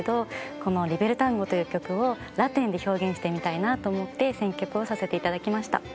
この『リベルタンゴ』という曲をラテンで表現してみたいなと思って選曲をさせていただきました。